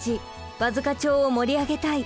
和束町を盛り上げたい！